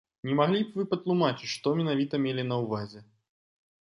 Не маглі б вы патлумачыць, што менавіта мелі на ўвазе?